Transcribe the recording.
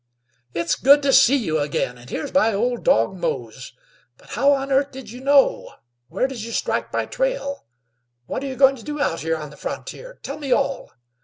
"It's good to see you again! And here's my old dog Mose! But how on earth did you know? Where did you strike my trail? What are you going to do out here on the frontier? Tell me all.